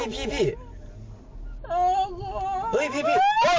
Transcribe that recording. เฮ้ยพี่พี่พี่